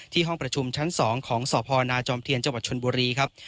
ห้องประชุมชั้น๒ของสพนาจอมเทียนจังหวัดชนบุรีครับ